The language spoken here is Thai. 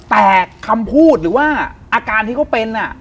แต่คำพูดหรือว่าอาการที่เขาเป็น